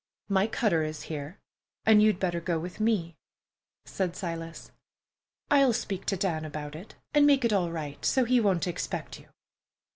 "My cutter is here, and you'd better go with me," said Silas. "I'll speak to Dan about it and make it all right, so he won't expect you."